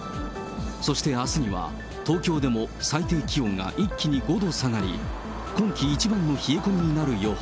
そしてあすには、東京でも最低気温が一気に５度下がり、今季一番の冷え込みになる予報。